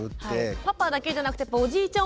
パパだけじゃなくておじいちゃん